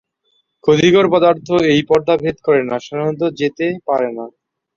ক্ষতিকর পদার্থ এই পর্দা ভেদ করে সাধারণত যেতে পারে না।